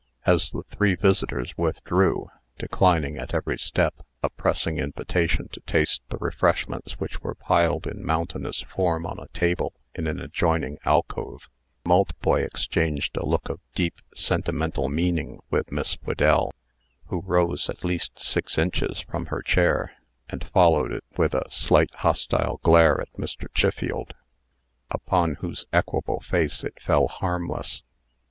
"' As the three visitors withdrew (declining, at every step, a pressing invitation to taste the refreshments which were piled in mountainous form on a table in an adjoining alcove), Maltboy exchanged a look of deep, sentimental meaning with Miss Whedell, who rose at least six inches from her chair, and followed it with a slight hostile glare at Mr. Chiffield, upon whose equable face it fell harmless.